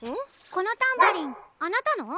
このタンバリンあなたの？